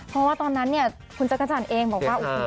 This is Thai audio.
เพราะว่าตอนนั้นคุณจักรจันทร์เองบอกว่า